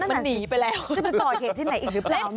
มันหนีไปแล้ว